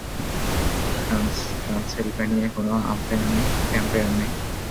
ট্রান্সিলভেনিয়ায় কোন ভ্যাম্পায়ার নেই?